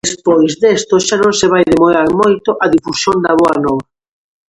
Despois desto xa non se vai demorar moito a difusión da boa nova.